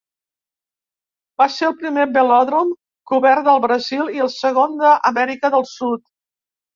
Va ser el primer velòdrom cobert del Brasil i el segon d'Amèrica del Sud.